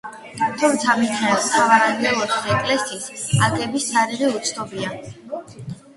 თუმცა მიქაელ მთავარანგელოზის ეკლესიის აგების თარიღი უცნობია.